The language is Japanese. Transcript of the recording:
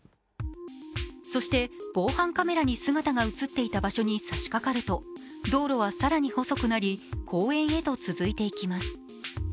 そして、防犯カメラに姿が映っていた場所にさしかかると、道路は更に細くなり公園へと続いていきます。